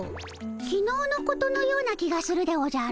きのうのことのような気がするでおじゃる。